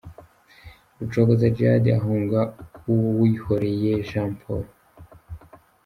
Rucogoza Djihad ahunga Uwihoreye Jean Paul.